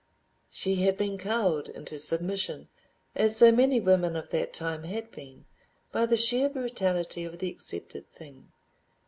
She had been cowed into submission, as so many women of that time had been, by the sheer brutality of the accepted thing.